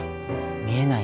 見えない